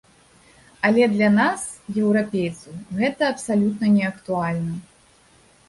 Але для нас, еўрапейцаў, гэта абсалютна неактуальна.